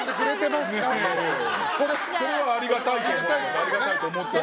それはありがたいと思ってます。